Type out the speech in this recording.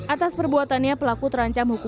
atas perbuatannya pelaku terancam